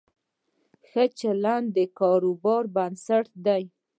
ښه چلند د کاروبار بنسټ دی.